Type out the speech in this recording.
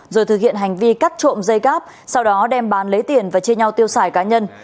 rồi thực hiện hành vi cắt trộm dây cáp sau đó đem bán lấy tiền và chia nhau tiêu xài cá nhân